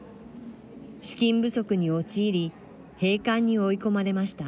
資金不足に陥り閉館に追い込まれました。